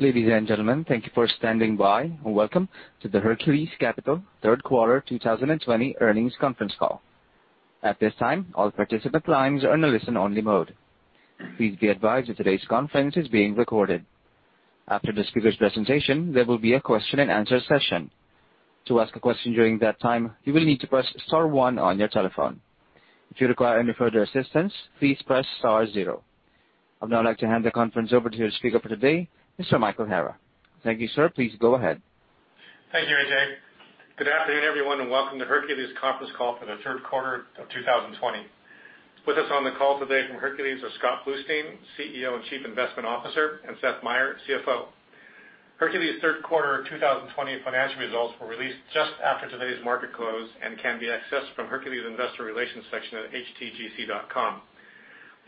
Ladies and gentlemen, thank you for standing by, and welcome to the Hercules Capital Third Quarter 2020 Earnings Conference Call. At this time, all participant lines are in a listen-only mode. Please be advised that today's conference is being recorded. After the speaker's presentation, there will be a question-and-answer session. I'd now like to hand the conference over to the speaker for today, Mr. Michael Hara. Thank you, sir. Please go ahead. Thank you, AJ. Good afternoon, everyone, and welcome to Hercules Conference Call for the third quarter of 2020. With us on the call today from Hercules are Scott Bluestein, CEO and Chief Investment Officer, and Seth Meyer, CFO. Hercules' third quarter 2020 financial results were released just after today's market close and can be accessed from Hercules' Investor Relations section at htgc.com.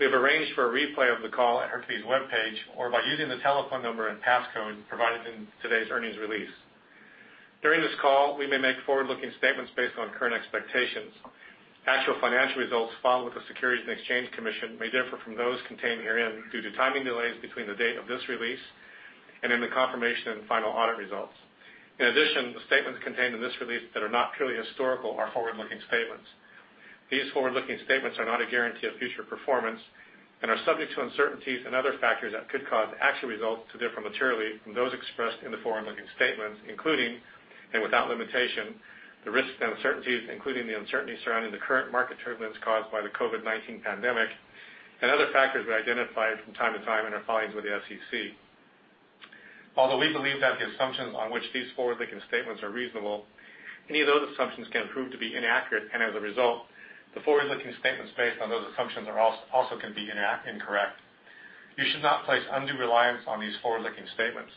We have arranged for a replay of the call at Hercules' webpage or by using the telephone number and passcode provided in today's earnings release. During this call, we may make forward-looking statements based on current expectations. Actual financial results filed with the Securities and Exchange Commission may differ from those contained herein due to timing delays between the date of this release and in the confirmation of final audit results. In addition, the statements contained in this release that are not purely historical are forward-looking statements. These forward-looking statements are not a guarantee of future performance and are subject to uncertainties and other factors that could cause actual results to differ materially from those expressed in the forward-looking statements, including, and without limitation, the risks and uncertainties, including the uncertainty surrounding the current market turbulence caused by the COVID-19 pandemic and other factors we identified from time to time in our filings with the SEC. Although we believe that the assumptions on which these forward-looking statements are reasonable, any of those assumptions can prove to be inaccurate, and as a result, the forward-looking statements based on those assumptions also can be incorrect. You should not place undue reliance on these forward-looking statements.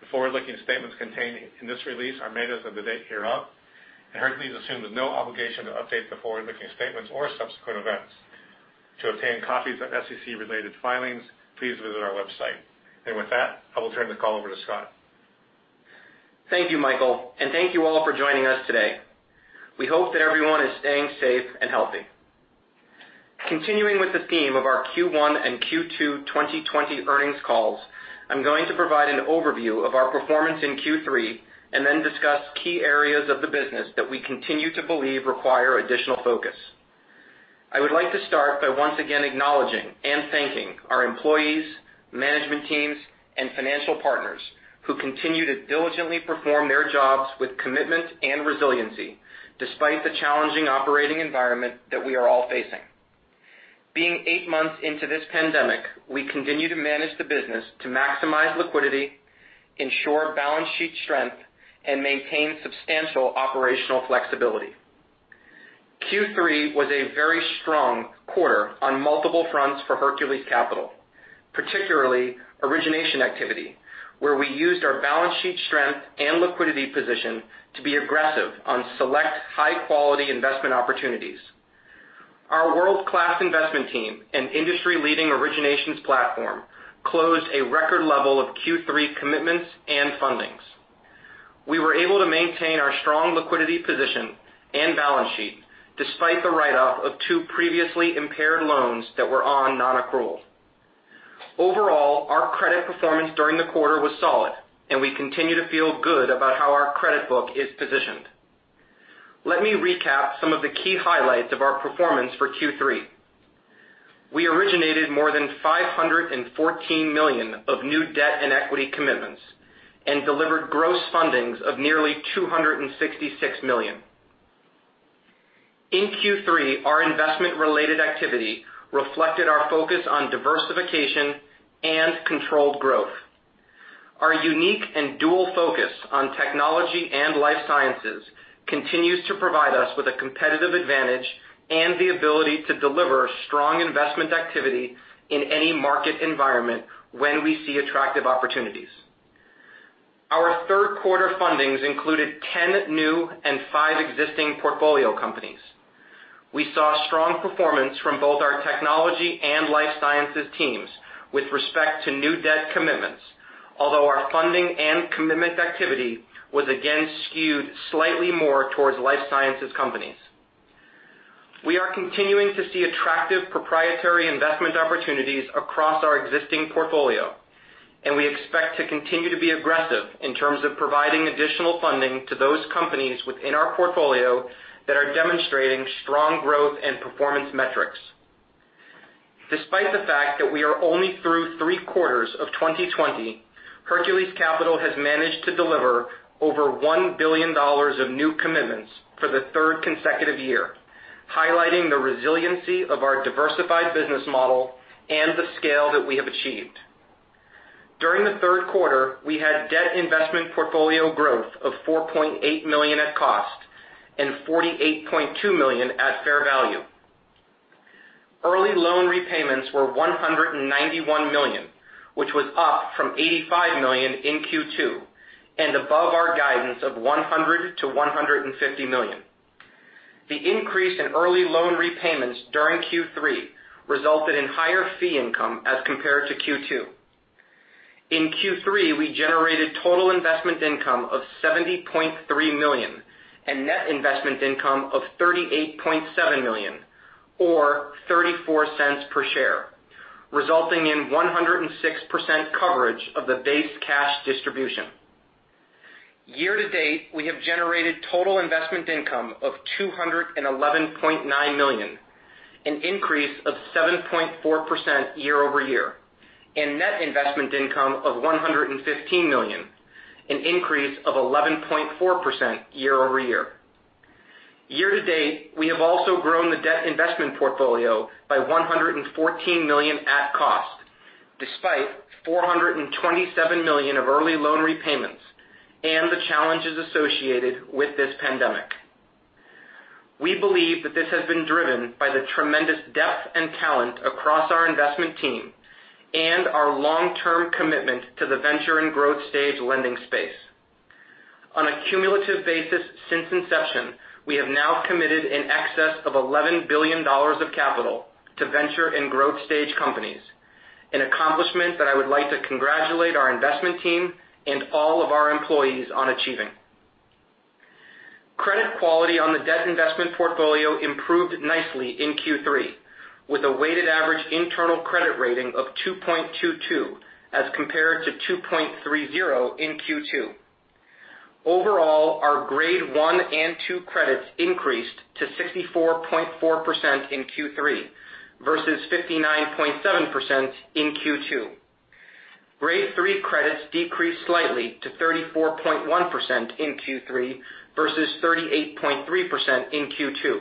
The forward-looking statements contained in this release are made as of the date hereof, and Hercules assumes no obligation to update the forward-looking statements or subsequent events. To obtain copies of SEC-related filings, please visit our website. With that, I will turn the call over to Scott. Thank you, Michael, and thank you all for joining us today. We hope that everyone is staying safe and healthy. Continuing with the theme of our Q1 and Q2 2020 earnings calls, I'm going to provide an overview of our performance in Q3 and then discuss key areas of the business that we continue to believe require additional focus. I would like to start by once again acknowledging and thanking our employees, management teams, and financial partners who continue to diligently perform their jobs with commitment and resiliency despite the challenging operating environment that we are all facing. Being eight months into this pandemic, we continue to manage the business to maximize liquidity, ensure balance sheet strength, and maintain substantial operational flexibility. Q3 was a very strong quarter on multiple fronts for Hercules Capital, particularly origination activity, where we used our balance sheet strength and liquidity position to be aggressive on select high-quality investment opportunities. Our world-class investment team and industry-leading originations platform closed a record level of Q3 commitments and fundings. We were able to maintain our strong liquidity position and balance sheet despite the write-off of two previously impaired loans that were on non-accrual. Overall, our credit performance during the quarter was solid, and we continue to feel good about how our credit book is positioned. Let me recap some of the key highlights of our performance for Q3. We originated more than $514 million of new debt and equity commitments and delivered gross fundings of nearly $266 million. In Q3, our investment-related activity reflected our focus on diversification and controlled growth. Our unique and dual focus on Technology and Life Sciences continues to provide us with a competitive advantage and the ability to deliver strong investment activity in any market environment when we see attractive opportunities. Our third quarter fundings included 10 new and five existing portfolio companies. We saw strong performance from both our Technology and Life Sciences teams with respect to new debt commitments. Our funding and commitment activity was again skewed slightly more towards Life Sciences companies. We are continuing to see attractive proprietary investment opportunities across our existing portfolio, and we expect to continue to be aggressive in terms of providing additional funding to those companies within our portfolio that are demonstrating strong growth and performance metrics. Despite the fact that we are only through three quarters of 2020, Hercules Capital has managed to deliver over $1 billion of new commitments for the third consecutive year, highlighting the resiliency of our diversified business model and the scale that we have achieved. During the third quarter, we had debt investment portfolio growth of $4.8 million at cost and $48.2 million at fair value. Early loan repayments were $191 million, which was up from $85 million in Q2 and above our guidance of $100 million-$150 million. The increase in early loan repayments during Q3 resulted in higher fee income as compared to Q2. In Q3, we generated total investment income of $70.3 million and net investment income of $38.7 million, or $0.34 per share, resulting in 106% coverage of the base cash distribution. Year-to-date, we have generated total investment income of $211.9 million, an increase of 7.4% year-over-year, and net investment income of $115 million, an increase of 11.4% year-over-year. Year-to-date, we have also grown the debt investment portfolio by $114 million at cost, despite $427 million of early loan repayments and the challenges associated with this pandemic. We believe that this has been driven by the tremendous depth and talent across our investment team and our long-term commitment to the venture and growth stage lending space. On a cumulative basis since inception, we have now committed in excess of $11 billion of capital to venture and growth stage companies, an accomplishment that I would like to congratulate our investment team and all of our employees on achieving. Credit quality on the debt investment portfolio improved nicely in Q3, with a weighted average internal credit rating of 2.22 as compared to 2.30 in Q2. Overall, our Grade 1 and 2 credits increased to 64.4% in Q3 versus 59.7% in Q2. Grade 3 credits decreased slightly to 34.1% in Q3 versus 38.3% in Q2.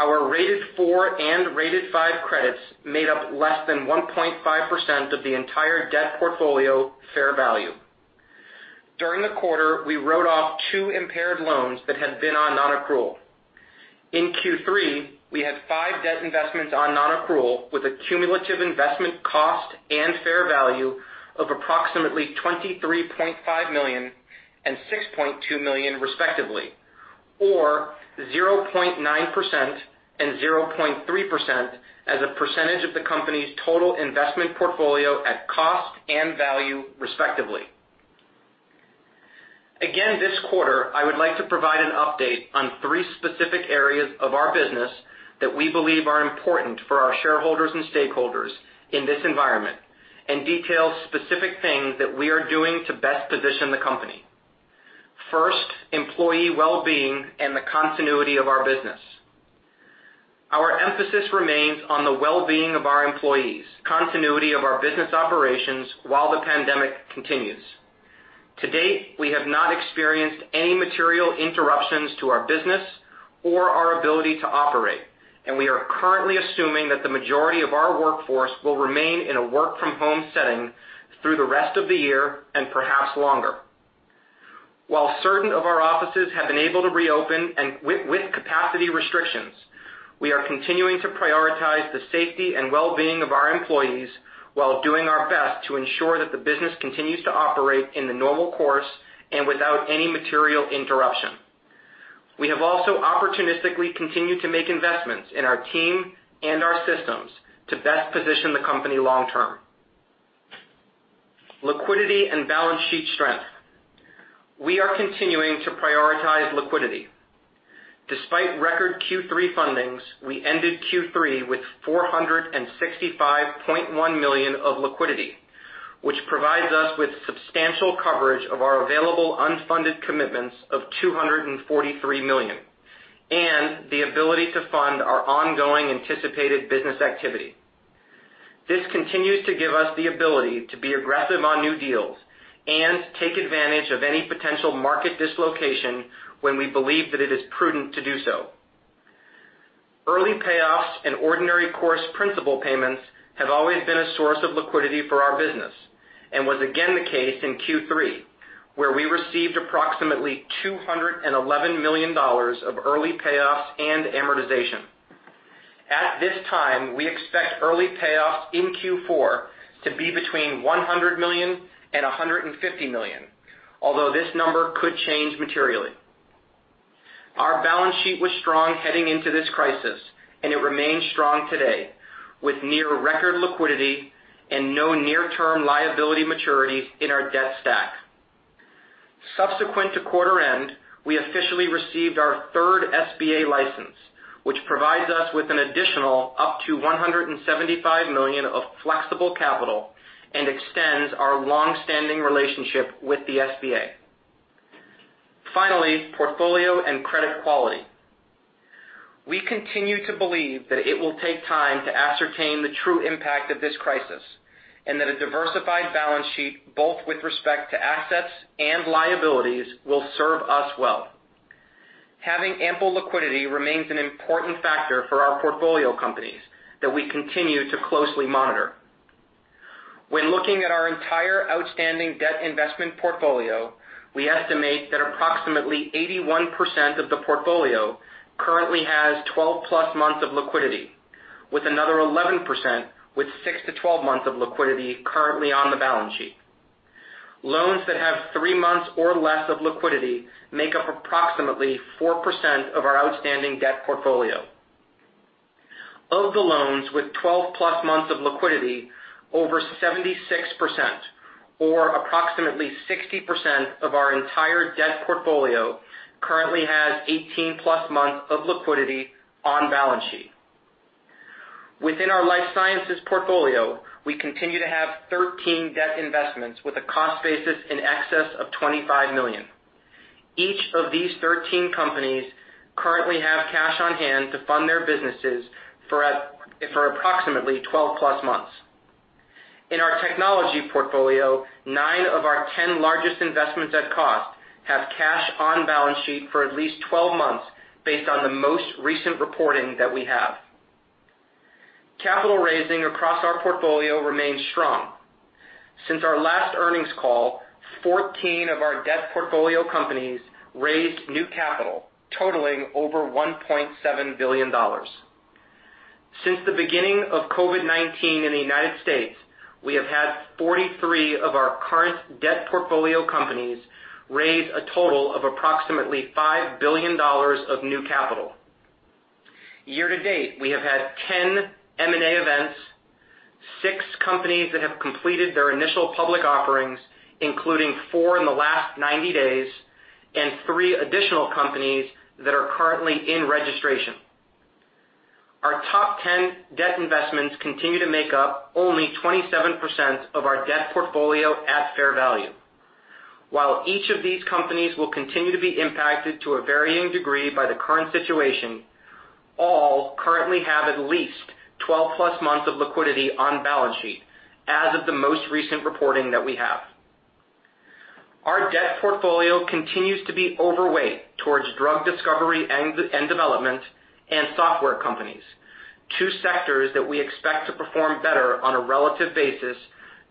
Our Rated 4 and Rated 5 credits made up less than 1.5% of the entire debt portfolio fair value. During the quarter, we wrote off two impaired loans that had been on non-accrual. In Q3, we had five debt investments on non-accrual with a cumulative investment cost and fair value of approximately $23.5 million and $6.2 million respectively, or 0.9% and 0.3% as a percentage of the company's total investment portfolio at cost and value respectively. Again, this quarter, I would like to provide an update on three specific areas of our business that we believe are important for our shareholders and stakeholders in this environment, and detail specific things that we are doing to best position the company. First, employee wellbeing and the continuity of our business. Our emphasis remains on the wellbeing of our employees, continuity of our business operations while the pandemic continues. To date, we have not experienced any material interruptions to our business or our ability to operate, and we are currently assuming that the majority of our workforce will remain in a work-from-home setting through the rest of the year and perhaps longer. While certain of our offices have been able to reopen and with capacity restrictions, we are continuing to prioritize the safety and wellbeing of our employees while doing our best to ensure that the business continues to operate in the normal course and without any material interruption. We have also opportunistically continued to make investments in our team and our systems to best position the company long-term. Liquidity and balance sheet strength. We are continuing to prioritize liquidity. Despite record Q3 fundings, we ended Q3 with $465.1 million of liquidity, which provides us with substantial coverage of our available unfunded commitments of $243 million, and the ability to fund our ongoing anticipated business activity. This continues to give us the ability to be aggressive on new deals and take advantage of any potential market dislocation when we believe that it is prudent to do so. Early payoffs and ordinary course principal payments have always been a source of liquidity for our business and was again the case in Q3, where we received approximately $211 million of early payoffs and amortization. At this time, we expect early payoffs in Q4 to be between $100 million and $150 million, although this number could change materially. Our balance sheet was strong heading into this crisis, and it remains strong today, with near-record liquidity and no near-term liability maturity in our debt stack. Subsequent to quarter end, we officially received our third SBA license, which provides us with an additional up to $175 million of flexible capital and extends our longstanding relationship with the SBA. Finally, portfolio and credit quality. We continue to believe that it will take time to ascertain the true impact of this crisis, and that a diversified balance sheet, both with respect to assets and liabilities, will serve us well. Having ample liquidity remains an important factor for our portfolio companies that we continue to closely monitor. When looking at our entire outstanding debt investment portfolio, we estimate that approximately 81% of the portfolio currently has 12+ months of liquidity, with another 11% with 6-12 months of liquidity currently on the balance sheet. Loans that have three months or less of liquidity make up approximately 4% of our outstanding debt portfolio. Of the loans with 12+ months of liquidity, over 76% or approximately 60% of our entire debt portfolio currently has 18+ months of liquidity on balance sheet. Within our Life Sciences portfolio, we continue to have 13 debt investments with a cost basis in excess of $25 million. Each of these 13 companies currently have cash on hand to fund their businesses for approximately 12+ months. In our Technology portfolio, nine of our 10 largest investments at cost have cash on balance sheet for at least 12 months, based on the most recent reporting that we have. Capital raising across our portfolio remains strong. Since our last earnings call, 14 of our debt portfolio companies raised new capital totaling over $1.7 billion. Since the beginning of COVID-19 in the U.S., we have had 43 of our current debt portfolio companies raise a total of approximately $5 billion of new capital. Year-to-date, we have had 10 M&A events, six companies that have completed their initial public offerings, including four in the last 90 days, and three additional companies that are currently in registration. Our top 10 debt investments continue to make up only 27% of our debt portfolio at fair value. While each of these companies will continue to be impacted to a varying degree by the current situation, all currently have at least 12+ months of liquidity on balance sheet as of the most recent reporting that we have. Our debt portfolio continues to be overweight towards drug discovery and development and software companies, two sectors that we expect to perform better on a relative basis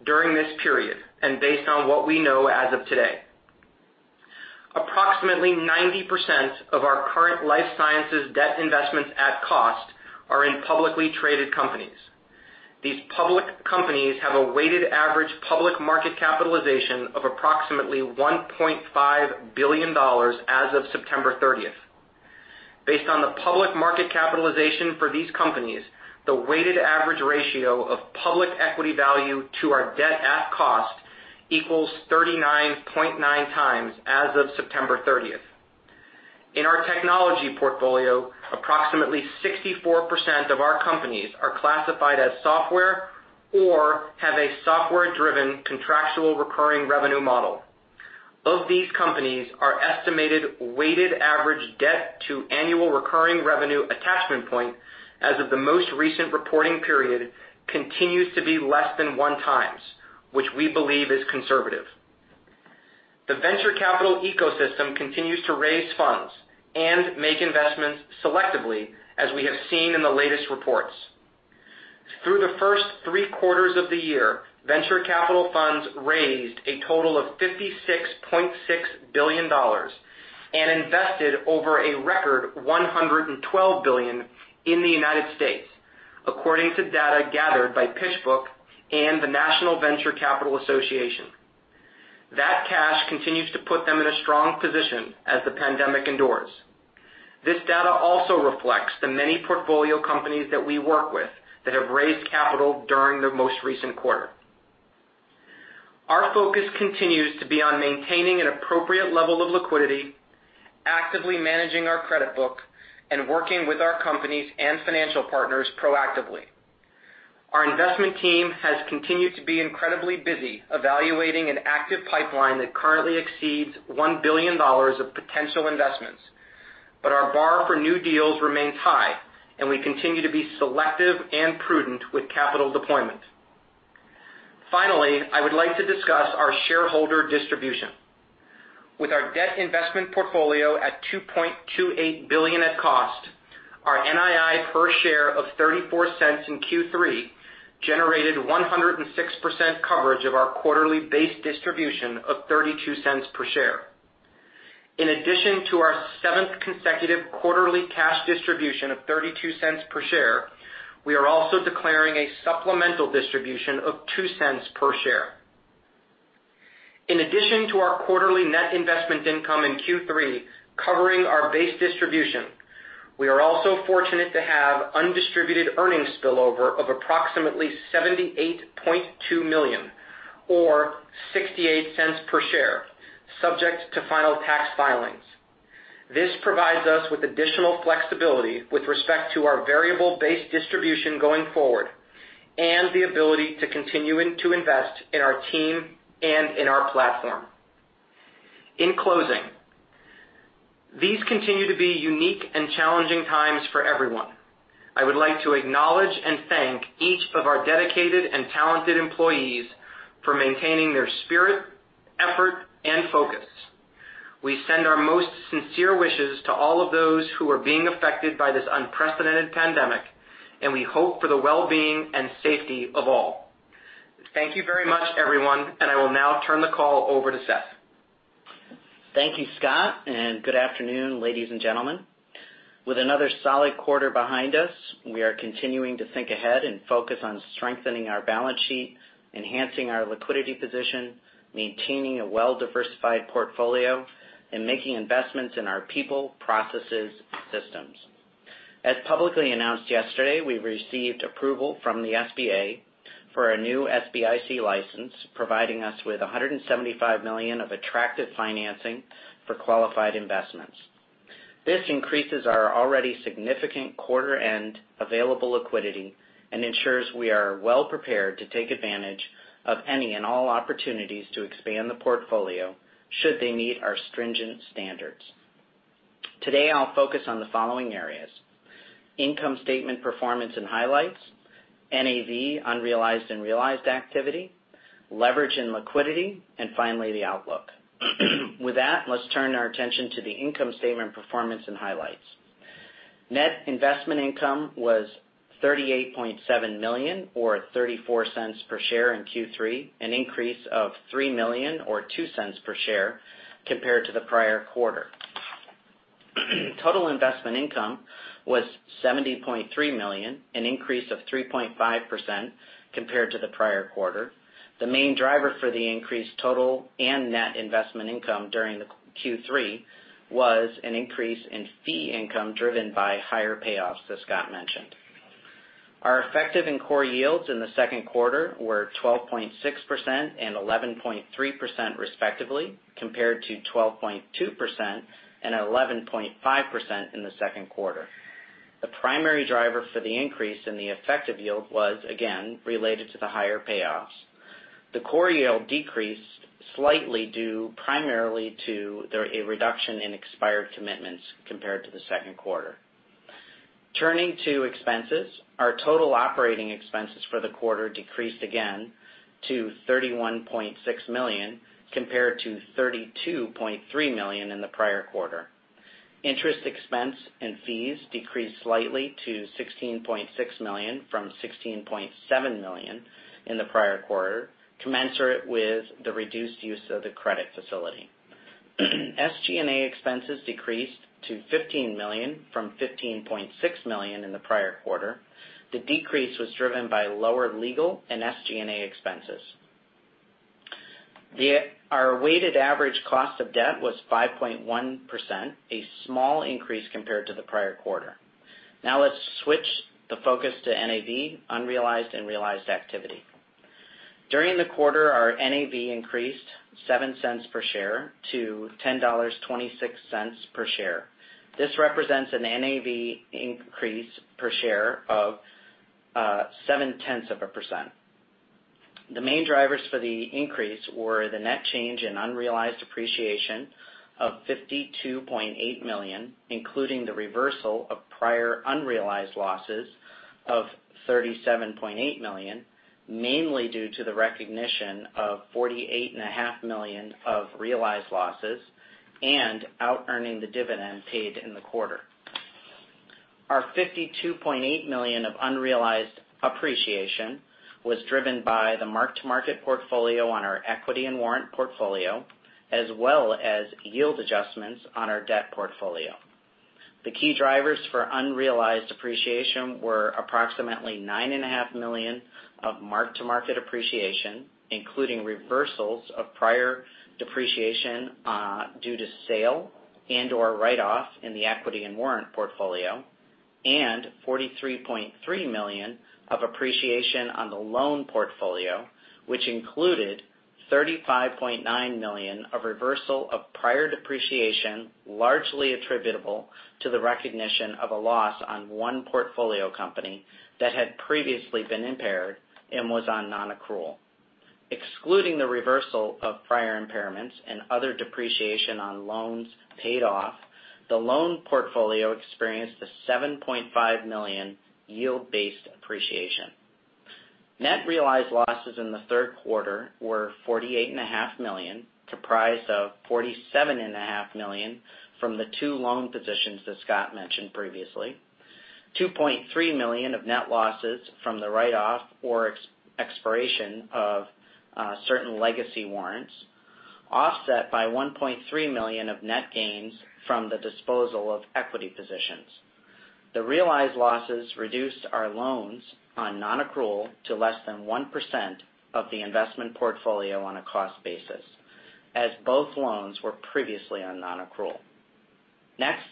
during this period and based on what we know as of today. Approximately 90% of our current Life Sciences debt investments at cost are in publicly traded companies. These public companies have a weighted average public market capitalization of approximately $1.5 billion as of September 30th. Based on the public market capitalization for these companies, the weighted average ratio of public equity value to our debt at cost equals 39.9x as of September 30th. In our Technology portfolio, approximately 64% of our companies are classified as software or have a software-driven contractual recurring revenue model. Of these companies, our estimated weighted average debt to annual recurring revenue attachment point as of the most recent reporting period continues to be less than 1x, which we believe is conservative. The venture capital ecosystem continues to raise funds and make investments selectively as we have seen in the latest reports. Through the first three quarters of the year, venture capital funds raised a total of $56.6 billion and invested over a record $112 billion in the U.S., according to data gathered by PitchBook and the National Venture Capital Association. That cash continues to put them in a strong position as the pandemic endures. This data also reflects the many portfolio companies that we work with that have raised capital during the most recent quarter. Our focus continues to be on maintaining an appropriate level of liquidity, actively managing our credit book, and working with our companies and financial partners proactively. Our investment team has continued to be incredibly busy evaluating an active pipeline that currently exceeds $1 billion of potential investments. Our bar for new deals remains high, and we continue to be selective and prudent with capital deployment. Finally, I would like to discuss our shareholder distribution. With our debt investment portfolio at $2.28 billion at cost, our NII per share of $0.34 in Q3 generated 106% coverage of our quarterly base distribution of $0.32 per share. In addition to our seventh consecutive quarterly cash distribution of $0.32 per share, we are also declaring a supplemental distribution of $0.02 per share. In addition to our quarterly net investment income in Q3 covering our base distribution, we are also fortunate to have undistributed earnings spillover of approximately $78.2 million or $0.68 per share, subject to final tax filings. This provides us with additional flexibility with respect to our variable base distribution going forward and the ability to continue to invest in our team and in our platform. In closing, these continue to be unique and challenging times for everyone. I would like to acknowledge and thank each of our dedicated and talented employees for maintaining their spirit, effort, and focus. We send our most sincere wishes to all of those who are being affected by this unprecedented pandemic, and we hope for the well-being and safety of all. Thank you very much, everyone, and I will now turn the call over to Seth. Thank you, Scott. Good afternoon, ladies and gentlemen. With another solid quarter behind us, we are continuing to think ahead and focus on strengthening our balance sheet, enhancing our liquidity position, maintaining a well-diversified portfolio, and making investments in our people, processes, and systems. As publicly announced yesterday, we received approval from the SBA for a new SBIC license, providing us with $175 million of attractive financing for qualified investments. This increases our already significant quarter-end available liquidity and ensures we are well prepared to take advantage of any and all opportunities to expand the portfolio, should they meet our stringent standards. Today, I'll focus on the following areas. Income statement performance and highlights, NAV unrealized and realized activity, leverage and liquidity, and finally, the outlook. With that, let's turn our attention to the income statement performance and highlights. Net investment income was $38.7 million, or $0.34 per share in Q3, an increase of $3 million or $0.02 per share compared to the prior quarter. Total investment income was $70.3 million, an increase of 3.5% compared to the prior quarter. The main driver for the increased total and net investment income during the Q3 was an increase in fee income driven by higher payoffs, as Scott mentioned. Our effective and core yields in the second quarter were 12.6% and 11.3% respectively, compared to 12.2% and 11.5% in the second quarter. The primary driver for the increase in the effective yield was, again, related to the higher payoffs. The core yield decreased slightly due primarily to a reduction in expired commitments compared to the second quarter. Turning to expenses. Our total operating expenses for the quarter decreased again to $31.6 million, compared to $32.3 million in the prior quarter. Interest expense and fees decreased slightly to $16.6 million from $16.7 million in the prior quarter, commensurate with the reduced use of the credit facility. SG&A expenses decreased to $15 million from $15.6 million in the prior quarter. The decrease was driven by lower legal and SG&A expenses. Our weighted average cost of debt was 5.1%, a small increase compared to the prior quarter. Let's switch the focus to NAV unrealized and realized activity. During the quarter, our NAV increased $0.07 per share to $10.26 per share. This represents an NAV increase per share of 0.7%. The main drivers for the increase were the net change in unrealized appreciation of $52.8 million, including the reversal of prior unrealized losses of $37.8 million, mainly due to the recognition of $48.5 million of realized losses and outearning the dividend paid in the quarter. Our $52.8 million of unrealized appreciation was driven by the mark-to-market portfolio on our equity and warrant portfolio, as well as yield adjustments on our debt portfolio. The key drivers for unrealized appreciation were approximately $9.5 million of mark-to-market appreciation, including reversals of prior depreciation due to sale and/or write-off in the equity and warrant portfolio, and $43.3 million of appreciation on the loan portfolio, which included $35.9 million of reversal of prior depreciation, largely attributable to the recognition of a loss on one portfolio company that had previously been impaired and was on non-accrual. Excluding the reversal of prior impairments and other depreciation on loans paid off, the loan portfolio experienced a $7.5 million yield-based appreciation. Net realized losses in the third quarter were $48.5 million, comprised of $47.5 million from the two loan positions that Scott mentioned previously. $2.3 million of net losses from the write-off or expiration of certain legacy warrants, offset by $1.3 million of net gains from the disposal of equity positions. The realized losses reduced our loans on non-accrual to less than 1% of the investment portfolio on a cost basis, as both loans were previously on non-accrual. Next,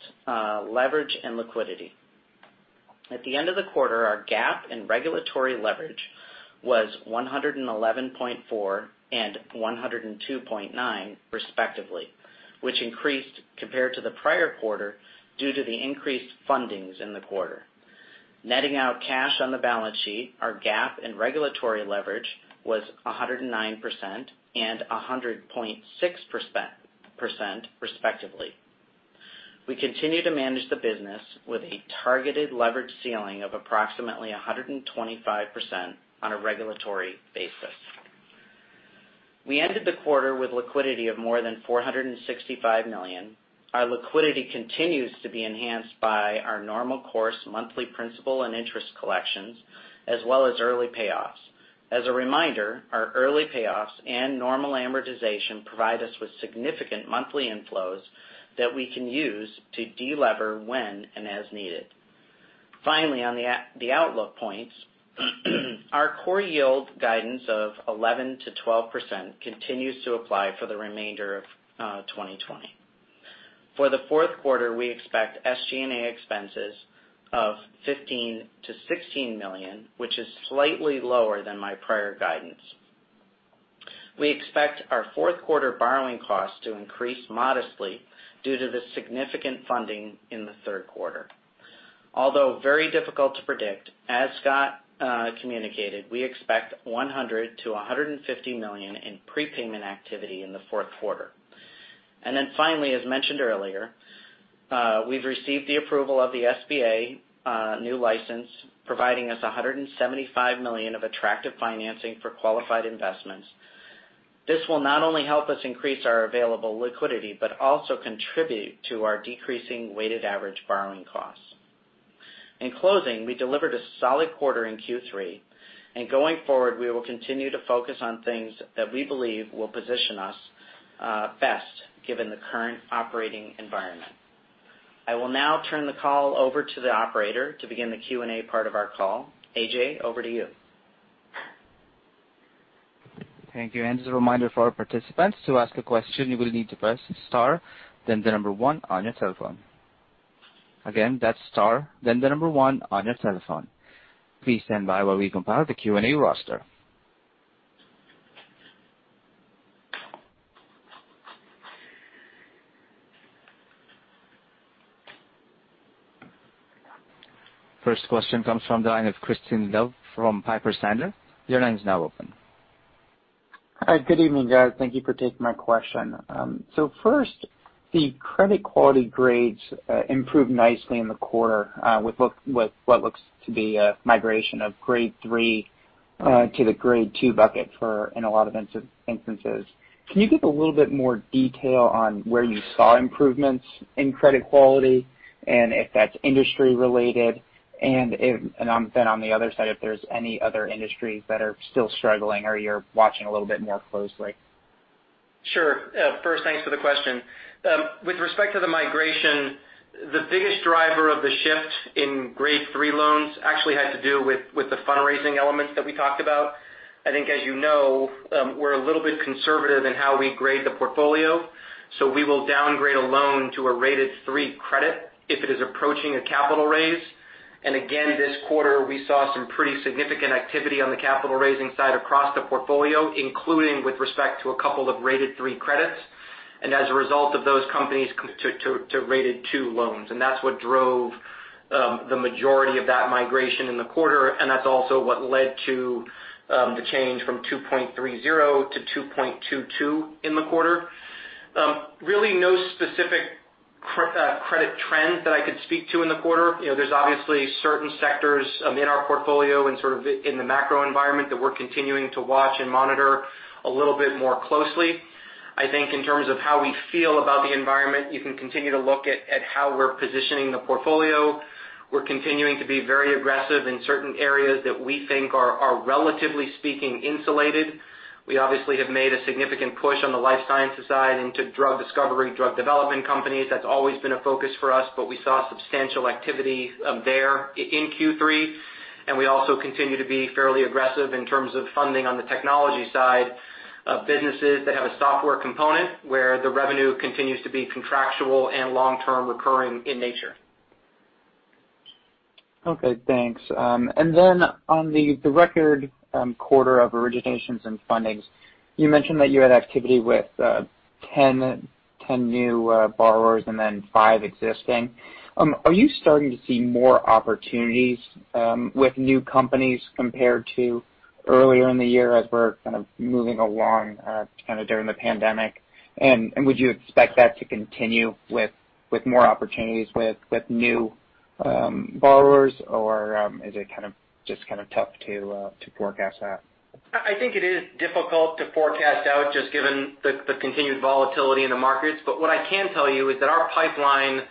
leverage and liquidity. At the end of the quarter, our GAAP and regulatory leverage was 111.4% and 102.9% respectively, which increased compared to the prior quarter due to the increased fundings in the quarter. Netting out cash on the balance sheet, our GAAP and regulatory leverage was 109% and 100.6% respectively. We continue to manage the business with a targeted leverage ceiling of approximately 125% on a regulatory basis. We ended the quarter with liquidity of more than $465 million. Our liquidity continues to be enhanced by our normal course monthly principal and interest collections, as well as early payoffs. As a reminder, our early payoffs and normal amortization provide us with significant monthly inflows that we can use to delever when and as needed. Finally, on the outlook points. Our core yield guidance of 11%-12% continues to apply for the remainder of 2020. For the fourth quarter, we expect SG&A expenses of $15 million-$16 million, which is slightly lower than my prior guidance. We expect our fourth quarter borrowing costs to increase modestly due to the significant funding in the third quarter. Although very difficult to predict, as Scott communicated, we expect $100 million-$150 million in prepayment activity in the fourth quarter. Finally, as mentioned earlier, we've received the approval of the SBA new license, providing us $175 million of attractive financing for qualified investments. This will not only help us increase our available liquidity, but also contribute to our decreasing weighted average borrowing costs. In closing, we delivered a solid quarter in Q3. Going forward, we will continue to focus on things that we believe will position us best given the current operating environment. I will now turn the call over to the operator to begin the Q&A part of our call. AJ, over to you. Thank you. As a reminder for our participants, to ask a question, you will need to press star, then the number one on your telephone. Again, that's star, then the number one on your telephone. Please stand by while we compile the Q&A roster. First question comes from the line of Crispin Love from Piper Sandler. Your line is now open. Hi, good evening, guys. Thank you for taking my question. First, the credit quality grades improved nicely in the quarter, with what looks to be a migration of Grade 3 to the Grade 2 bucket in a lot of instances. Can you give a little bit more detail on where you saw improvements in credit quality, and if that's industry related? On the other side, if there's any other industries that are still struggling or you're watching a little bit more closely? Sure. First, thanks for the question. With respect to the migration, the biggest driver of the shift in Grade 3 loans actually had to do with the fundraising elements that we talked about. I think, as you know, we're a little bit conservative in how we grade the portfolio. We will downgrade a loan to a rated 3 credit if it is approaching a capital raise. Again, this quarter, we saw some pretty significant activity on the capital raising side across the portfolio, including with respect to a couple of rated 3 credits. As a result of those companies to rated 2 loans. That's what drove the majority of that migration in the quarter, and that's also what led to the change from 2.30 to 2.22 in the quarter. Really no specific credit trends that I could speak to in the quarter. There's obviously certain sectors in our portfolio and sort of in the macro environment that we're continuing to watch and monitor a little bit more closely. I think in terms of how we feel about the environment, you can continue to look at how we're positioning the portfolio. We're continuing to be very aggressive in certain areas that we think are, relatively speaking, insulated. We obviously have made a significant push on the Life Sciences side into drug discovery, drug development companies. That's always been a focus for us, but we saw substantial activity there in Q3. We also continue to be fairly aggressive in terms of funding on the Technology side of businesses that have a software component where the revenue continues to be contractual and long-term recurring in nature. Okay, thanks. On the record quarter of originations and fundings, you mentioned that you had activity with 10 new borrowers and then five existing. Are you starting to see more opportunities with new companies compared to earlier in the year as we're kind of moving along kind of during the pandemic? Would you expect that to continue with more opportunities with new borrowers? Is it just kind of tough to forecast that? I think it is difficult to forecast out just given the continued volatility in the markets. What I can tell you is that our pipeline,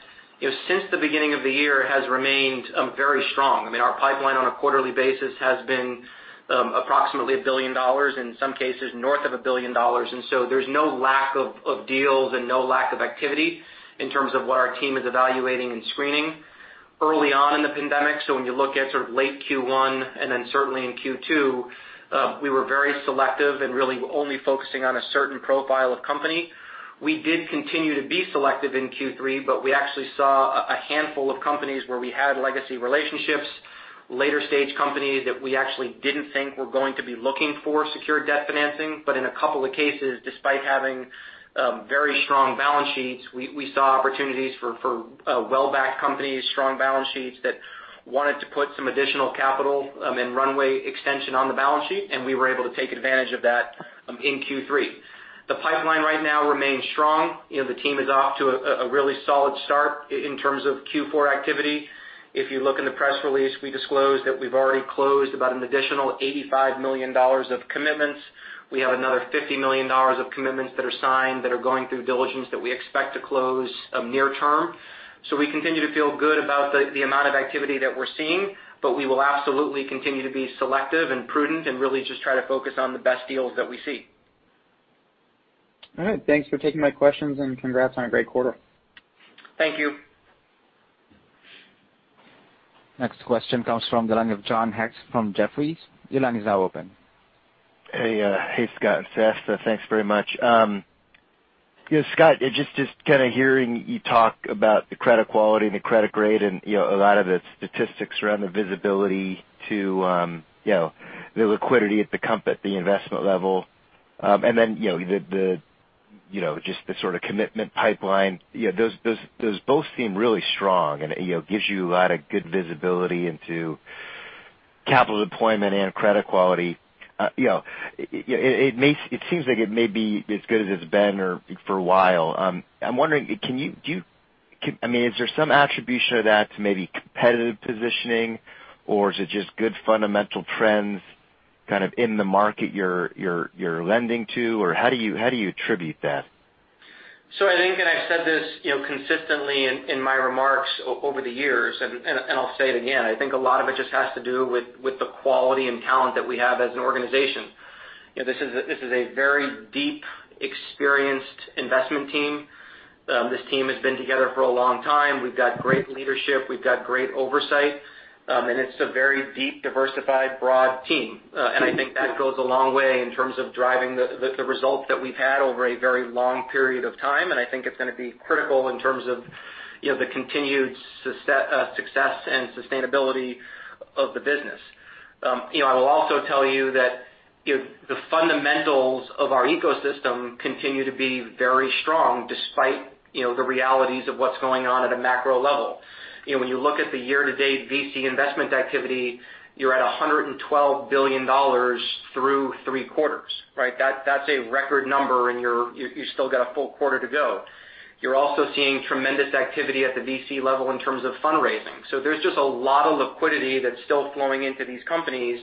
since the beginning of the year, has remained very strong. I mean, our pipeline on a quarterly basis has been approximately $1 billion, in some cases north of $1 billion. There's no lack of deals and no lack of activity in terms of what our team is evaluating and screening. Early on in the pandemic, so when you look at sort of late Q1 and then certainly in Q2, we were very selective and really only focusing on a certain profile of company. We did continue to be selective in Q3, but we actually saw a handful of companies where we had legacy relationships, later stage companies that we actually didn't think were going to be looking for secured debt financing. In a couple of cases, despite having very strong balance sheets, we saw opportunities for well-backed companies, strong balance sheets that wanted to put some additional capital and runway extension on the balance sheet, and we were able to take advantage of that in Q3. The pipeline right now remains strong. The team is off to a really solid start in terms of Q4 activity. If you look in the press release, we disclosed that we've already closed about an additional $85 million of commitments. We have another $50 million of commitments that are signed that are going through diligence that we expect to close near term. We continue to feel good about the amount of activity that we're seeing, but we will absolutely continue to be selective and prudent and really just try to focus on the best deals that we see. All right. Thanks for taking my questions, and congrats on a great quarter. Thank you. Next question comes from the line of John Hecht from Jefferies. Your line is now open. Hey, Scott and Seth. Thanks very much. Scott, just kind of hearing you talk about the credit quality and the credit grade and a lot of the statistics around the visibility to the liquidity at the investment level. Then just the sort of commitment pipeline. Those both seem really strong and gives you a lot of good visibility into capital deployment and credit quality. It seems like it may be as good as it's been for a while. I'm wondering, is there some attribution of that to maybe competitive positioning, or is it just good fundamental trends kind of in the market you're lending to, or how do you attribute that? I think, and I've said this consistently in my remarks over the years, and I'll say it again, I think a lot of it just has to do with the quality and talent that we have as an organization. This is a very deep, experienced investment team. This team has been together for a long time. We've got great leadership. We've got great oversight. It's a very deep, diversified, broad team. I think that goes a long way in terms of driving the results that we've had over a very long period of time, and I think it's going to be critical in terms of the continued success and sustainability of the business. I will also tell you that the fundamentals of our ecosystem continue to be very strong, despite the realities of what's going on at a macro level. When you look at the year-to-date VC investment activity, you're at $112 billion through three quarters, right? That's a record number. You still got a full quarter to go. You're also seeing tremendous activity at the VC level in terms of fundraising. There's just a lot of liquidity that's still flowing into these companies,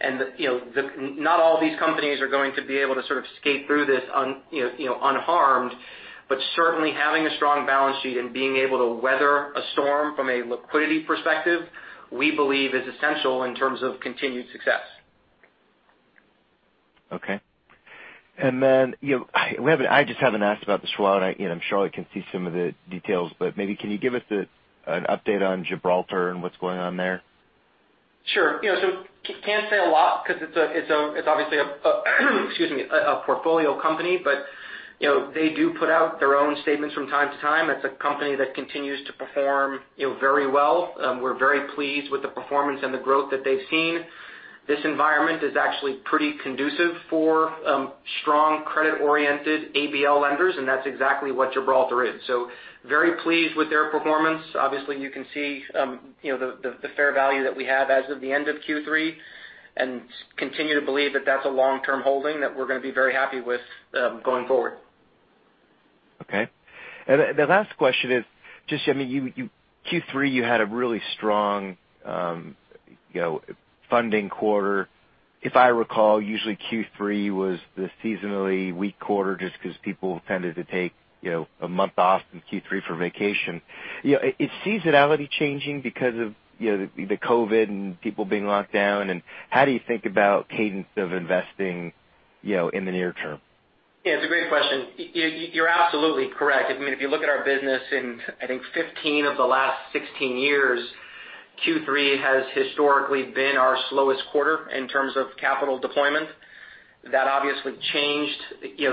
and not all these companies are going to be able to sort of skate through this unharmed. Certainly having a strong balance sheet and being able to weather a storm from a liquidity perspective, we believe is essential in terms of continued success. Okay. I just haven't asked about this one, I'm sure I can see some of the details, but maybe can you give us an update on Gibraltar and what's going on there? Sure. Can't say a lot because it's obviously a excuse me, a portfolio company. They do put out their own statements from time to time. It's a company that continues to perform very well. We're very pleased with the performance and the growth that they've seen. This environment is actually pretty conducive for strong credit-oriented ABL lenders, and that's exactly what Gibraltar is. Very pleased with their performance. You can see the fair value that we have as of the end of Q3 and continue to believe that that's a long-term holding that we're going to be very happy with going forward. Okay. The last question is, Q3, you had a really strong funding quarter. If I recall, usually Q3 was the seasonally weak quarter just because people tended to take a month off in Q3 for vacation. Is seasonality changing because of the COVID and people being locked down? How do you think about cadence of investing in the near term? Yeah, it's a great question. You're absolutely correct. If you look at our business in, I think, 15 of the last 16 years, Q3 has historically been our slowest quarter in terms of capital deployment. That obviously changed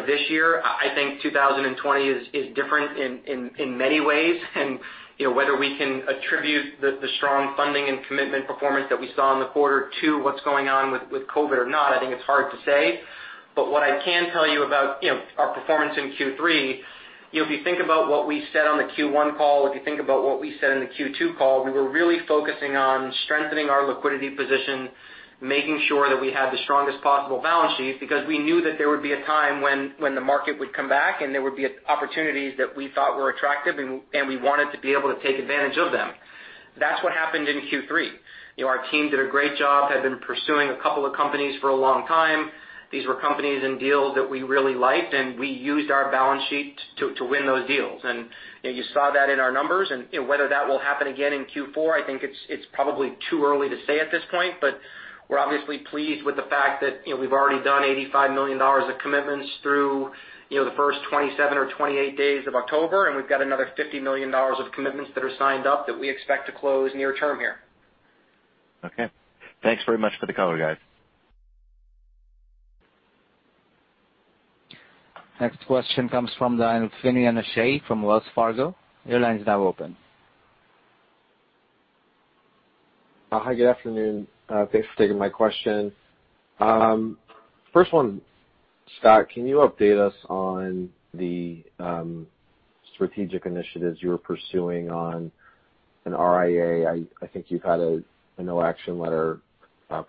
this year. I think 2020 is different in many ways. And whether we can attribute the strong funding and commitment performance that we saw in the quarter to what's going on with COVID-19 or not, I think it's hard to say. What I can tell you about our performance in Q3, if you think about what we said on the Q1 call, if you think about what we said in the Q2 call, we were really focusing on strengthening our liquidity position, making sure that we had the strongest possible balance sheet because we knew that there would be a time when the market would come back and there would be opportunities that we thought were attractive, and we wanted to be able to take advantage of them. That's what happened in Q3. Our team did a great job, had been pursuing a couple of companies for a long time. These were companies and deals that we really liked, and we used our balance sheet to win those deals. You saw that in our numbers. Whether that will happen again in Q4, I think it's probably too early to say at this point. We're obviously pleased with the fact that we've already done $85 million of commitments through the first 27 or 28 days of October. We've got another $50 million of commitments that are signed up that we expect to close near term here. Okay. Thanks very much for the color, guys. Next question comes from the line of Finian O'Shea from Wells Fargo. Your line is now open. Hi, good afternoon. Thanks for taking my question. First one, Scott, can you update us on the strategic initiatives you're pursuing on an RIA? I think you've had a no-action letter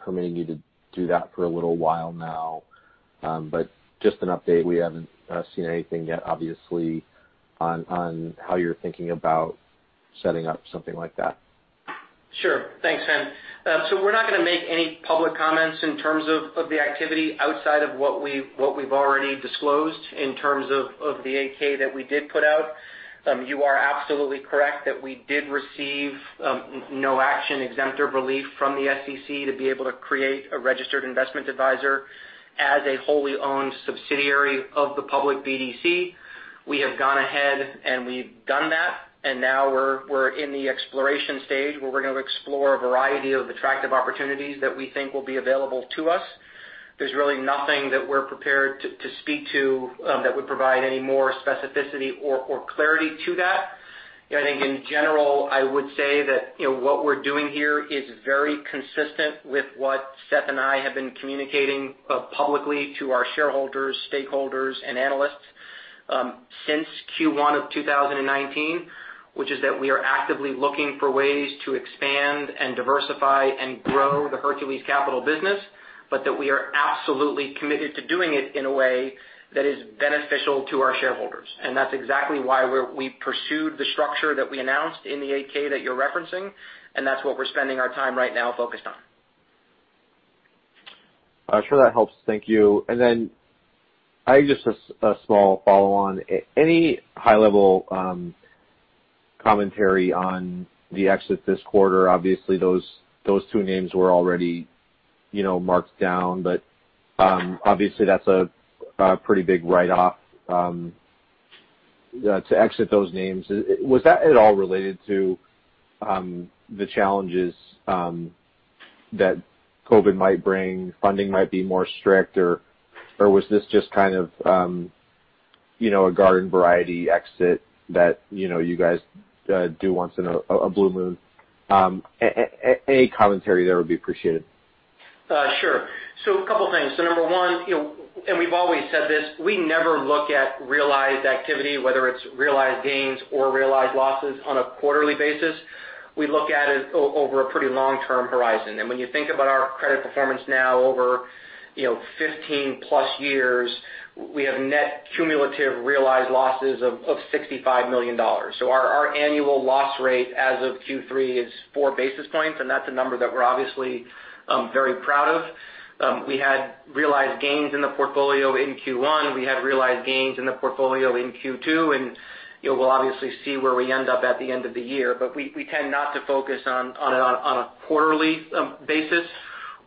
permitting you to do that for a little while now. Just an update. We haven't seen anything yet, obviously, on how you're thinking about setting up something like that. Sure. Thanks, Fin. We're not going to make any public comments in terms of the activity outside of what we've already disclosed in terms of the 8-K that we did put out. You are absolutely correct that we did receive no action exemptive relief from the SEC to be able to create a registered investment advisor as a wholly owned subsidiary of the public BDC. We have gone ahead and we've done that, and now we're in the exploration stage where we're going to explore a variety of attractive opportunities that we think will be available to us. There's really nothing that we're prepared to speak to that would provide any more specificity or clarity to that. I think in general, I would say that what we're doing here is very consistent with what Seth and I have been communicating publicly to our shareholders, stakeholders, and analysts since Q1 of 2019, which is that we are actively looking for ways to expand and diversify and grow the Hercules Capital business, but that we are absolutely committed to doing it in a way that is beneficial to our shareholders. That's exactly why we pursued the structure that we announced in the 8-K that you're referencing, and that's what we're spending our time right now focused on. Sure, that helps. Thank you. Just a small follow on. Any high-level commentary on the exits this quarter? Obviously, those two names were already marked down. Obviously, that's a pretty big write-off to exit those names. Was that at all related to the challenges that COVID might bring, funding might be more strict, or was this just a garden variety exit that you guys do once in a blue moon? Any commentary there would be appreciated. Sure. A couple of things. Number one, and we've always said this, we never look at realized activity, whether it's realized gains or realized losses on a quarterly basis. We look at it over a pretty long-term horizon. When you think about our credit performance now over 15+ years, we have net cumulative realized losses of $65 million. Our annual loss rate as of Q3 is four basis points, and that's a number that we're obviously very proud of. We had realized gains in the portfolio in Q1. We had realized gains in the portfolio in Q2, and we'll obviously see where we end up at the end of the year. We tend not to focus on a quarterly basis.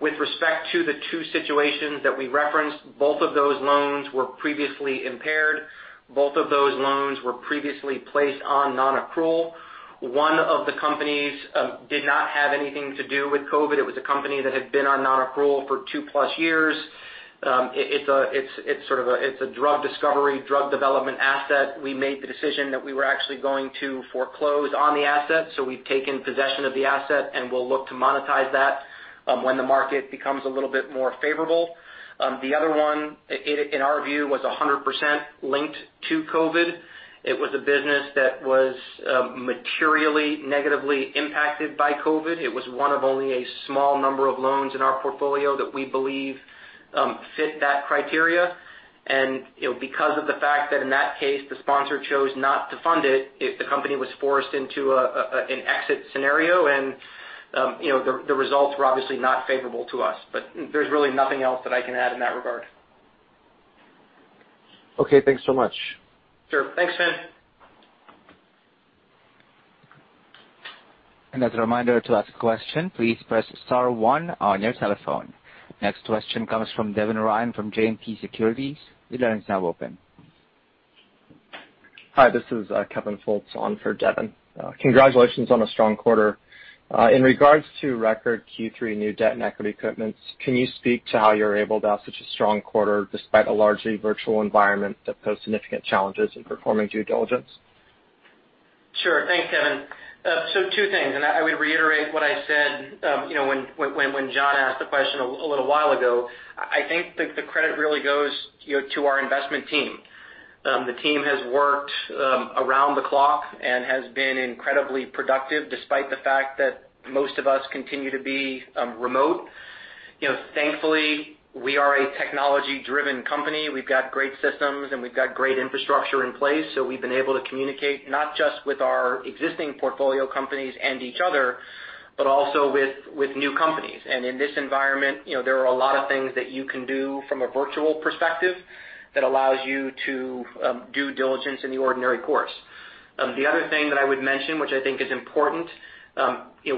With respect to the two situations that we referenced, both of those loans were previously impaired. Both of those loans were previously placed on non-accrual. One of the companies did not have anything to do with COVID. It was a company that had been on non-accrual for 2+ years. It's a drug discovery, drug development asset. We made the decision that we were actually going to foreclose on the asset. We've taken possession of the asset, and we'll look to monetize that when the market becomes a little bit more favorable. The other one, in our view, was 100% linked to COVID. It was a business that was materially negatively impacted by COVID. It was one of only a small number of loans in our portfolio that we believe fit that criteria. Because of the fact that in that case, the sponsor chose not to fund it, the company was forced into an exit scenario, and the results were obviously not favorable to us. There's really nothing else that I can add in that regard. Okay, thanks so much. Sure. Thanks, Fin. As a reminder, to ask a question, please press star one on your telephone. Next question comes from Devin Ryan from JMP Securities. Your line is now open. Hi, this is Kevin Fultz on for Devin. Congratulations on a strong quarter. In regards to record Q3 new debt and equity commitments, can you speak to how you were able to have such a strong quarter despite a largely virtual environment that posed significant challenges in performing due diligence? Sure. Thanks, Kevin. Two things, I would reiterate what I said when John asked the question a little while ago. I think the credit really goes to our investment team. The team has worked around the clock and has been incredibly productive, despite the fact that most of us continue to be remote. Thankfully, we are a technology-driven company. We've got great systems, and we've got great infrastructure in place. We've been able to communicate not just with our existing portfolio companies and each other, but also with new companies. In this environment, there are a lot of things that you can do from a virtual perspective that allows you to due diligence in the ordinary course. The other thing that I would mention, which I think is important,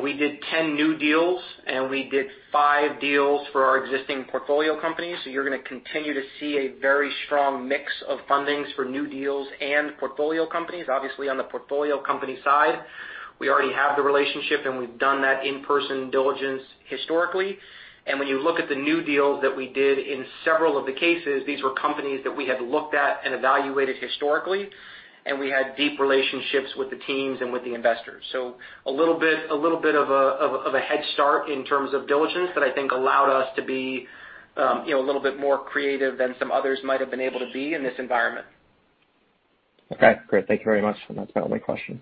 we did 10 new deals, we did five deals for our existing portfolio companies. You're going to continue to see a very strong mix of fundings for new deals and portfolio companies. Obviously, on the portfolio company side, we already have the relationship, and we've done that in-person diligence historically. When you look at the new deals that we did, in several of the cases, these were companies that we had looked at and evaluated historically, and we had deep relationships with the teams and with the investors. A little bit of a head start in terms of diligence that I think allowed us to be a little bit more creative than some others might have been able to be in this environment. Okay, great. Thank you very much. That's my only question.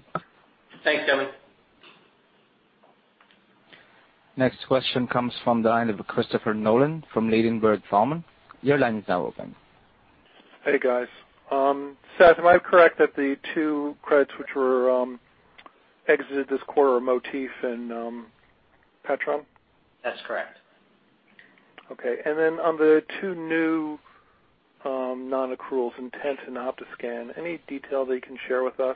Thanks, Kevin. Next question comes from the line of Christopher Nolan from Ladenburg Thalmann. Your line is now open. Hey, guys. Seth, am I correct that the two credits which were exited this quarter are Motif and [Petram] That's correct. Okay. Then on the two new non-accruals, Intent and OptiScan, any detail that you can share with us?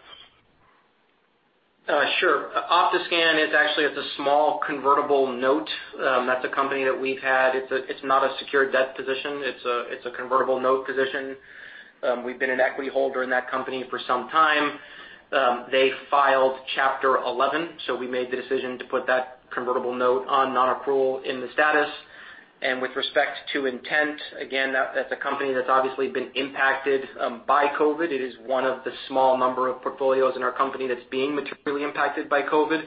Sure. OptiScan is actually a small convertible note. That's a company that we've had. It's not a secured debt position. It's a convertible note position. We've been an equity holder in that company for some time. They filed Chapter 11. We made the decision to put that convertible note on non-accrual in the status. With respect to Intent, again, that's a company that's obviously been impacted by COVID. It is one of the small number of portfolios in our company that's being materially impacted by COVID.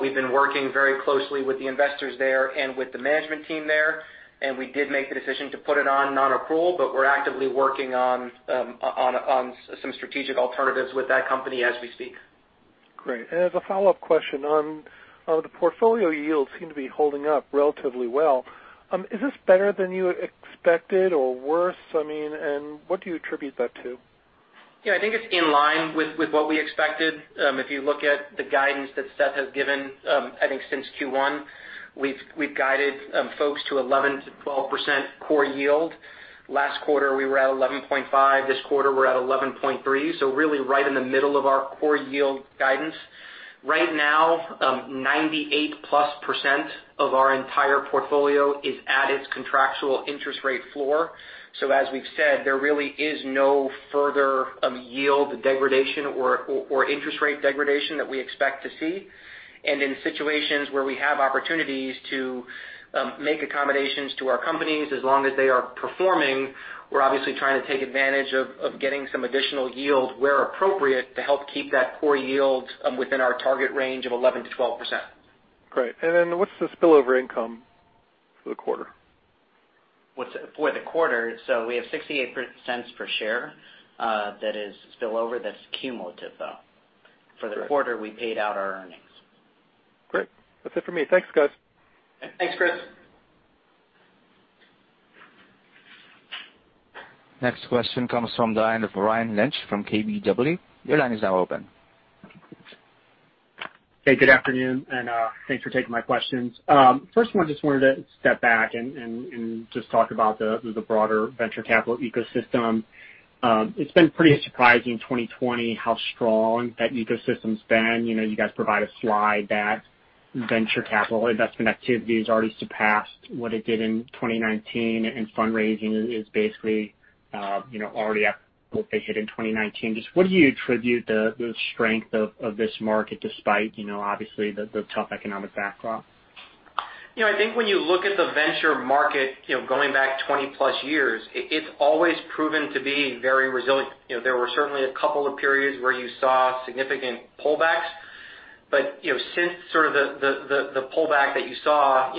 We've been working very closely with the investors there and with the management team there, and we did make the decision to put it on non-accrual, but we're actively working on some strategic alternatives with that company as we speak. Great. As a follow-up question, the portfolio yields seem to be holding up relatively well. Is this better than you expected or worse? What do you attribute that to? Yeah, I think it's in line with what we expected. If you look at the guidance that Seth has given, I think since Q1, we've guided folks to 11%-12% core yield. Last quarter, we were at 11.5%. This quarter, we're at 11.3%, so really right in the middle of our core yield guidance. Right now, 98%+ of our entire portfolio is at its contractual interest rate floor. As we've said, there really is no further yield degradation or interest rate degradation that we expect to see. In situations where we have opportunities to make accommodations to our companies, as long as they are performing, we're obviously trying to take advantage of getting some additional yield where appropriate to help keep that core yield within our target range of 11%-12%. Great. What's the spillover income for the quarter? For the quarter, we have $0.68 per share that is spillover. That's cumulative, though. Great. For the quarter, we paid out our earnings. Great. That's it for me. Thanks, guys. Thanks, Chris. Next question comes from the line of Ryan Lynch from KBW. Your line is now open. Hey, good afternoon. Thanks for taking my questions. First one, just wanted to step back and just talk about the broader venture capital ecosystem. It's been pretty surprising, 2020, how strong that ecosystem's been. You guys provide a slide that venture capital investment activity has already surpassed what it did in 2019. Fundraising is basically already up what they hit in 2019. Just what do you attribute the strength of this market despite obviously the tough economic backdrop? I think when you look at the venture market going back 20+ years, it's always proven to be very resilient. Since the pullback that you saw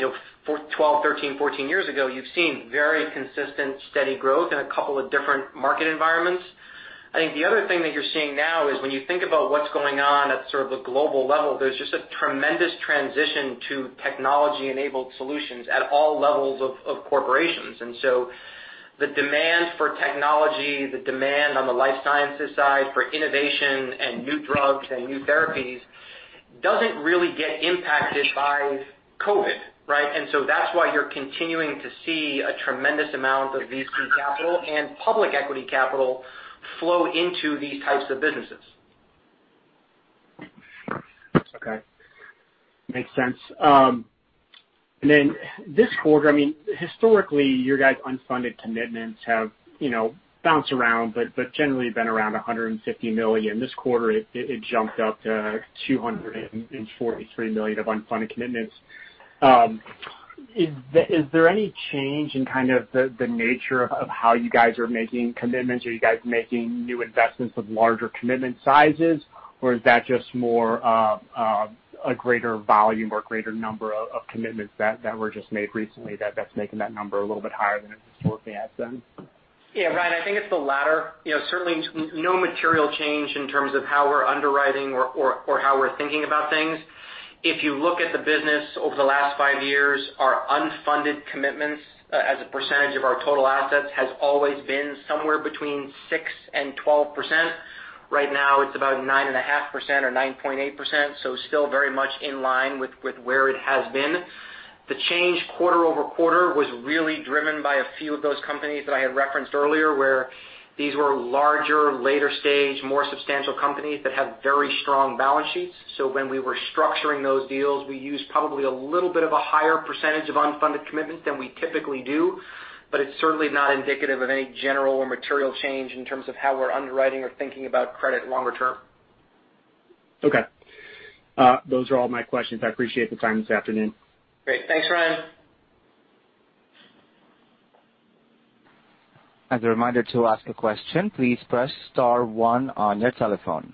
12, 13, 14 years ago, you've seen very consistent, steady growth in a couple of different market environments. I think the other thing that you're seeing now is when you think about what's going on at sort of a global level, there's just a tremendous transition to technology-enabled solutions at all levels of corporations. The demand for Technology, the demand on the Life Sciences side for innovation and new drugs and new therapies doesn't really get impacted by COVID-19, right? That's why you're continuing to see a tremendous amount of VC capital and public equity capital flow into these types of businesses. Okay. Makes sense. Then this quarter, I mean, historically, your guys' unfunded commitments have bounced around, but generally been around $150 million. This quarter, it jumped up to $243 million of unfunded commitments. Is there any change in kind of the nature of how you guys are making commitments? Are you guys making new investments of larger commitment sizes, or is that just more of a greater volume or greater number of commitments that were just made recently that's making that number a little bit higher than it historically has been? Yeah, Ryan, I think it's the latter. Certainly, no material change in terms of how we're underwriting or how we're thinking about things. If you look at the business over the last five years, our unfunded commitments as a percentage of our total assets has always been somewhere between 6% and 12%. Right now, it's about 9.5% or 9.8%. Still very much in line with where it has been. The change quarter-over-quarter was really driven by a few of those companies that I had referenced earlier, where these were larger, later-stage, more substantial companies that have very strong balance sheets. When we were structuring those deals, we used probably a little bit of a higher percentage of unfunded commitments than we typically do. It's certainly not indicative of any general or material change in terms of how we're underwriting or thinking about credit longer term. Okay. Those are all my questions. I appreciate the time this afternoon. Great. Thanks, Ryan. As a reminder to ask a question, please press star one on your telephone.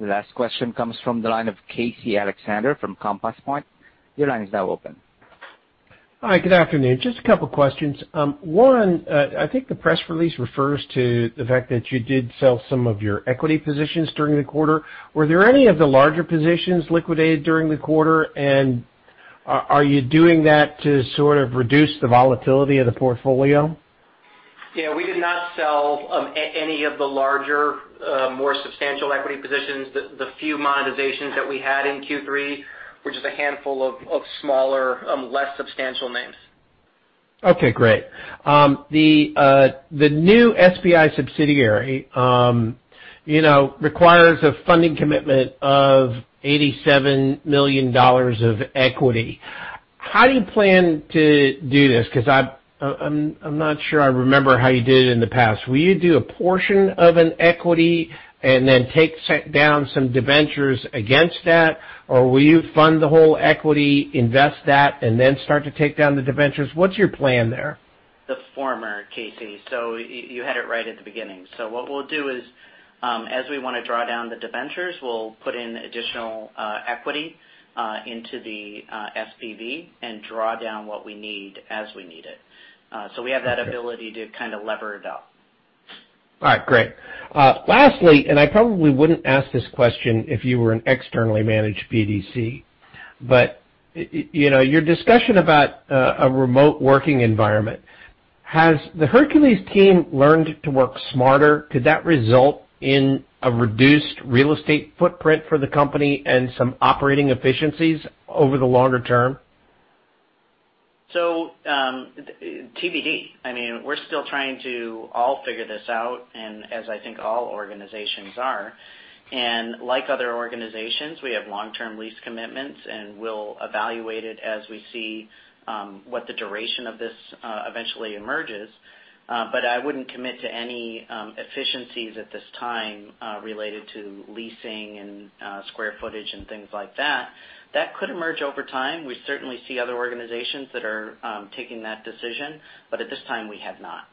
The last question comes from the line of Casey Alexander from Compass Point. Your line is now open. Hi, good afternoon. Just a couple of questions. One, I think the press release refers to the fact that you did sell some of your equity positions during the quarter. Were there any of the larger positions liquidated during the quarter? Are you doing that to sort of reduce the volatility of the portfolio? Yeah, we did not sell any of the larger, more substantial equity positions. The few monetizations that we had in Q3 were just a handful of smaller, less substantial names. Okay, great. The new SBIC subsidiary requires a funding commitment of $87 million of equity. How do you plan to do this? I'm not sure I remember how you did it in the past. Will you do a portion of an equity and then take down some debentures against that? Will you fund the whole equity, invest that, and then start to take down the debentures? What's your plan there? The former, Casey. You had it right at the beginning. What we'll do is, as we want to draw down the debentures, we'll put in additional equity into the SPV and draw down what we need as we need it. We have that ability to kind of lever it up. All right, great. Lastly, and I probably wouldn't ask this question if you were an externally managed BDC, but your discussion about a remote working environment, has the Hercules team learned to work smarter? Could that result in a reduced real estate footprint for the company and some operating efficiencies over the longer term? TBD. We're still trying to all figure this out and as I think all organizations are. Like other organizations, we have long-term lease commitments, and we'll evaluate it as we see what the duration of this eventually emerges. I wouldn't commit to any efficiencies at this time related to leasing and square footage and things like that. That could emerge over time. We certainly see other organizations that are taking that decision, but at this time we have not.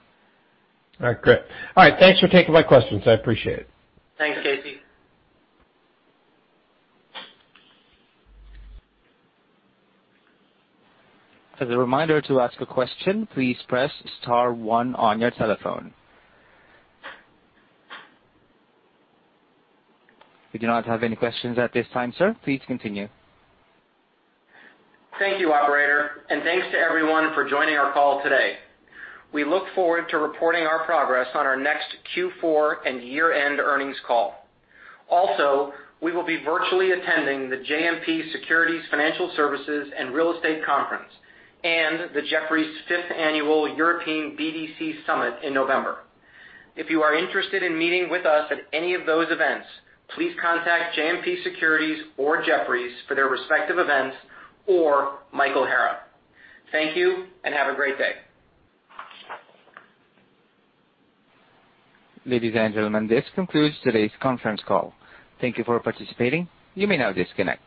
All right, great. All right. Thanks for taking my questions. I appreciate it. Thanks, Casey. As a reminder to ask a question, please press star one on your telephone. We do not have any questions at this time, sir. Please continue. Thank you, operator, and thanks to everyone for joining our call today. We look forward to reporting our progress on our next Q4 and year-end earnings call. Also, we will be virtually attending the JMP Securities Financial Services and Real Estate Conference and the Jefferies Fifth Annual European BDC Summit in November. If you are interested in meeting with us at any of those events, please contact JMP Securities or Jefferies for their respective events or Michael Hara. Thank you and have a great day. Ladies and gentlemen, this concludes today's conference call. Thank you for participating. You may now disconnect.